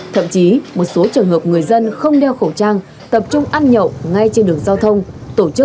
thậm chí một số trường hợp người dân không đeo khẩu trang tập trung ăn nhậu ngay trên đường giao thông tổ chức